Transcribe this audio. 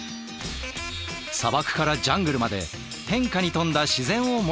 砂漠からジャングルまで変化に富んだ自然を持つ国。